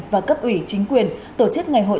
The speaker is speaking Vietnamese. và cấp ủy chính quyền tổ chức ngày hội